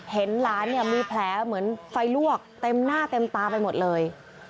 เห็นหลานเนี่ยมีแผลเหมือนไฟลวกเต็มหน้าเต็มตาไปหมดเลย